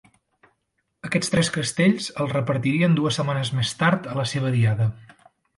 Aquests tres castells els repetirien dues setmanes més tard a la seva diada.